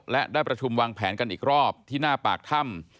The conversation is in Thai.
และได้ประชุมวางแผนกันอีกรอบที่หน้าปากถ้ำ